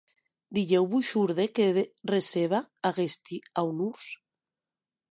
Dilhèu vos shòrde que receba aguesti aunors?